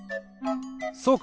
そうか！